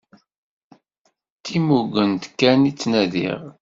D timugent kan i ttnadiɣ.